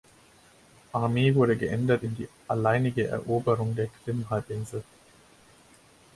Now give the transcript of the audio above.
Armee wurde geändert in die alleinige Eroberung der Krim-Halbinsel.